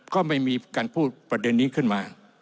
ก็ไม่มีการพูดประเด็นนี้ขึ้นมา